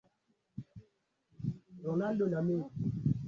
inabidi tuangalie sana mtindo wa maisha kwa upande wa